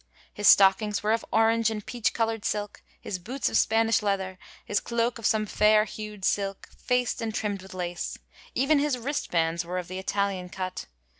His stockings were of orange and peach colord silk ; his boots of Spanish leather; his cloak of some fair hued silk, faced and trimd with lace; even his wristbands were of the Italian cut.